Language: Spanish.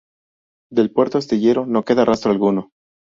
Del puerto-astillero no queda rastro alguno.